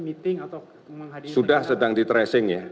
meeting atau sudah sedang di tracing ya